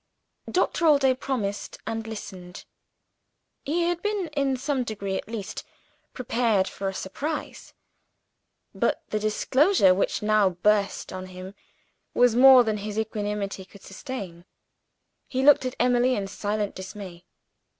Doctor Allday promised, and listened. He had been, in some degree at least, prepared for a surprise but the disclosure which now burst on him was more than his equanimity could sustain. He looked at Emily in silent dismay.